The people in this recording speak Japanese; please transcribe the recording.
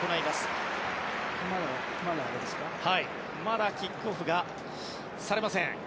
まだキックオフがされません。